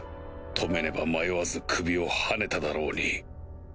止めねば迷わず首をはねただろうに